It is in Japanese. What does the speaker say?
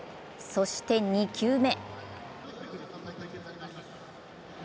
そして２球目。